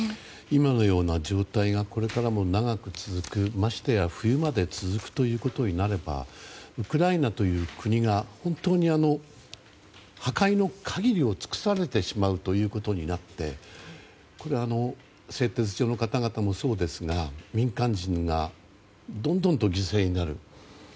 今のような状態がこれからも長く続くましてや冬まで続くということになればウクライナという国が破壊の限りを尽くされてしまうということになってこれ、製鉄所の方々もそうですが民間人がどんどんと犠牲になる。